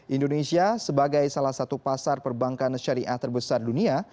indonesia sebagai salah satu pasar perbankan syariah terbesar dunia